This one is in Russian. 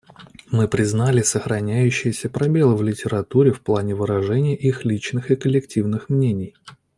Мы признали сохраняющиеся пробелы в литературе в плане выражения их личных и коллективных мнений.